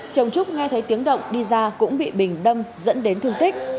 chồng trúc nghe thấy tiếng động đi ra cũng bị bình đâm dẫn đến thương tích